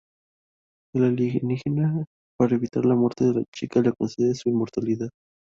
El alienígena para evitar la muerte de la chica le concede su inmortalidad.